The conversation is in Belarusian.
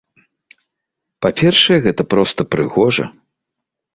Па-першае, гэта проста прыгожа.